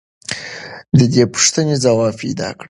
د دې پوښتنې ځواب پیدا کړه.